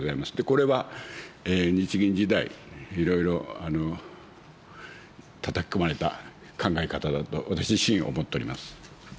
これは日銀時代、いろいろ、たたき込まれた考え方だと、私自身思っております。